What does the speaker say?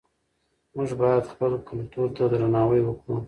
موږ باید خپل کلتور ته درناوی وکړو.